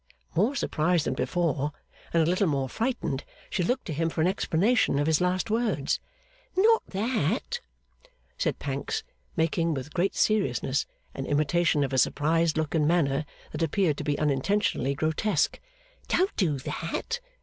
More surprised than before, and a little more frightened, she looked to him for an explanation of his last words. 'Not that,' said Pancks, making, with great seriousness, an imitation of a surprised look and manner that appeared to be unintentionally grotesque. 'Don't do that.